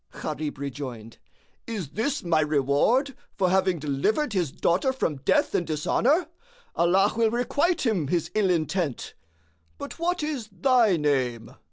Gharib rejoined, "Is this my reward for having delivered his daughter from death and dishonour? Allah will requite him his ill intent. But what is thy name?"